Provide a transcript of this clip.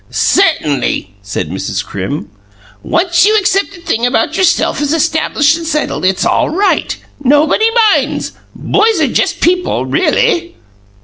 "Certainly!" said Mrs. Crim. "Once you accept a thing about yourself as established and settled, it's all right. Nobody minds. Boys are just people, really."